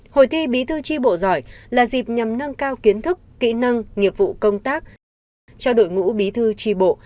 hội thi bí thư tri bộ giỏi là dịp nhằm nâng cao kiến thức kỹ năng nghiệp vụ công tác cho đội ngũ bí thư tri bộ